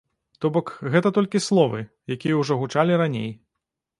То бок, гэта толькі словы, якія ўжо гучалі раней.